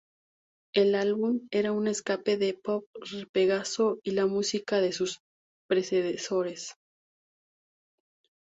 El álbum era un escape del "pop-pegagoso" y la música de sus predecesores.